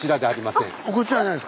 はい？